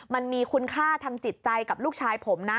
มันมีคุณค่าทางจิตใจกับลูกชายผมนะ